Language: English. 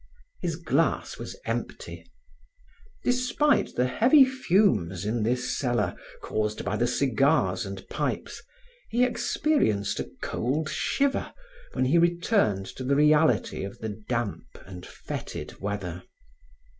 His glass was empty. Despite the heavy fumes in this cellar, caused by the cigars and pipes, he experienced a cold shiver when he returned to the reality of the damp and fetid weather.